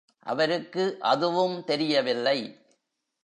அவருக்கு அதுவும் தெரியவில்லை.